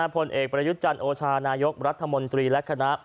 ผลเอกประยุทธ์จันทร์โอชานายกรัฐมนตรีและคณะ